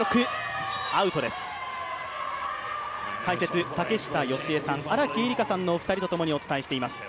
解説、竹下佳江さん、荒木絵里香さんのお二人とともにお伝えしています。